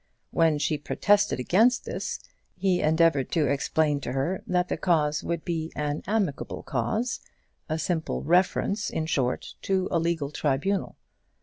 When she protested against this, he endeavoured to explain to her that the cause would be an amicable cause, a simple reference, in short, to a legal tribunal.